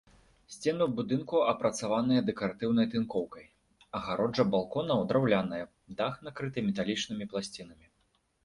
Сцены будынку апрацаваныя дэкаратыўнай тынкоўкай, агароджа балконаў драўляная, дах накрыты металічнымі пласцінамі.